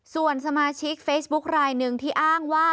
ส่วนสมาชิกเฟซบุ๊คลายหนึ่งที่อ้างว่า